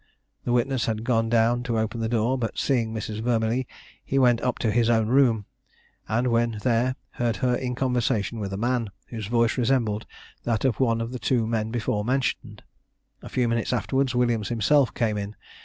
The witness had gone down to open the door, but seeing Mrs. Vermillee, he went up to his own room; and, when there, heard her in conversation with a man, whose voice resembled that of one of the two men before mentioned. A few minutes afterwards Williams himself came in.